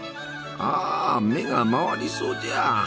ああ目が回りそうじゃ！